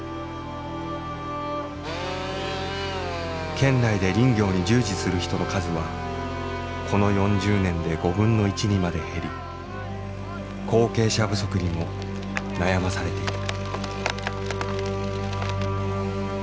県内で林業に従事する人の数はこの４０年で５分の１にまで減り後継者不足にも悩まされている。